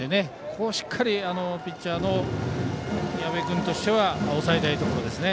ここをしっかりピッチャーの矢部君としては抑えたいところですね。